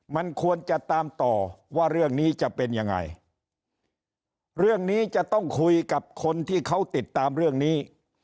มันควรจะตามต่อว่าเรื่องนี้จะเป็นยังไงเรื่องนี้จะต้องคุยกับคนที่เขาติดตามเรื่องนี้